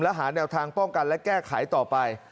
และหาแนวทางป้องกันและแก้ไขต่อไป